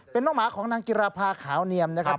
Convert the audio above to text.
เป็นน้องหมาของนางจิราภาขาวเนียมนะครับ